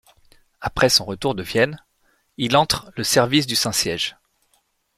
Après son retour de Vienne, il entre le service du Saint-Siège.